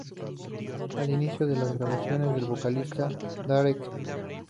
Al inicio de las grabaciones el vocalista Derek St.